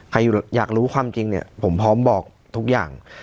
ใครอยากรู้ความจริงเนี่ยผมพร้อมบอกทุกอย่าง